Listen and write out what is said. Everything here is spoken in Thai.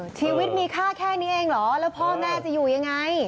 ชีวิตมีค่าแค่นี้เองเหรอแล้วพ่อแม่จะอยู่ยังไง